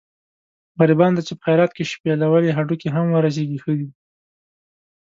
غریبانو ته چې په خیرات کې شپېلولي هډوکي هم ورسېږي ښه دي.